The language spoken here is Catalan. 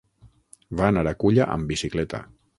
Va anar a Culla amb bicicleta.